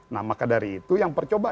nah maka dari itu yang percoba